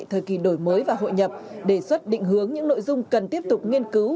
thời kỳ đổi mới và hội nhập đề xuất định hướng những nội dung cần tiếp tục nghiên cứu